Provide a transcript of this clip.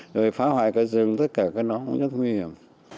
rồi phá hoại cả rừng tất cả các nón rất nguy hiểm